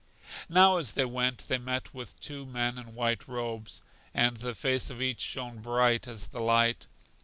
Now as they went, they met with two men in white robes, and the face of each shone bright as the light.